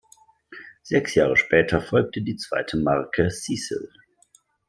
Sechs Jahre später folgte die zweite Marke Cecil.